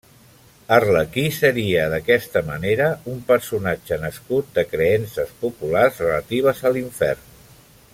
Arlequí seria, d'aquesta manera, un personatge nascut de creences populars relatives a l'infern.